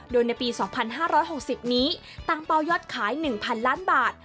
โดยในปี๒๕๖๐นี้ตั้งเป้ายอดขาย๑๐๐๐ล้านบาท